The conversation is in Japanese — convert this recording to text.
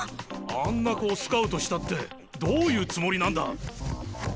あんな子をスカウトしたってどういうつもりなんだ。